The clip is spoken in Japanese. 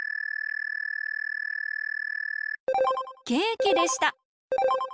ケーキでした！